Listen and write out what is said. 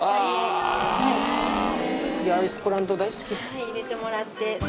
はい入れてもらって。